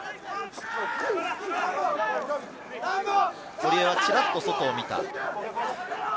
堀江はちらっと外を見た。